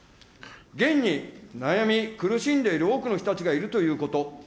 げんに悩み、苦しんでいる多くの人たちがいるということ。